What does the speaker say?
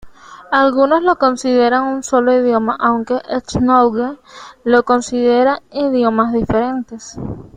Algunos los consideran un solo idioma, aunque "Ethnologue" los considera idiomas diferentes.